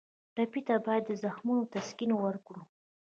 ټپي ته باید د زخمونو تسکین ورکړو.